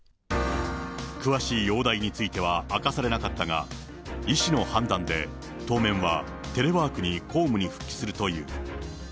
詳しい容体については明かされなかったが、医師の判断で、当面はテレワークで公務に復帰するという。